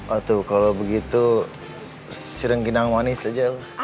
oh tuh kalo begitu siring kinang manis aja loh